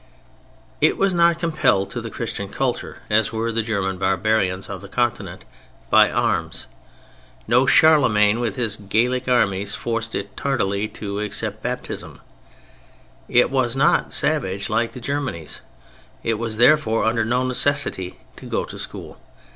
It was not compelled to the Christian culture, as were the German barbarians of the Continent, by arms. No Charlemagne with his Gallic armies forced it tardily to accept baptism. It was not savage like the Germanies; it was therefore under no necessity to go to school.